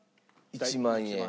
１万円。